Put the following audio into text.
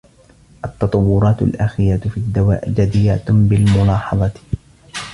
التطورات الاخيرة في الدواء جديرة بالملاحظة